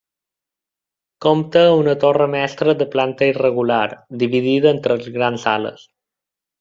Compta a una torre mestra de planta irregular, dividida en tres grans sales.